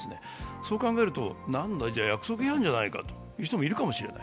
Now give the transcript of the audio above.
そう考えると、なんだ約束違反じゃないかと考える人もいるかもしれない。